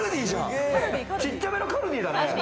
ちっちゃめのカルディだね。